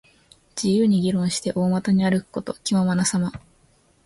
自由に議論して、大股に歩くこと。気ままなさま。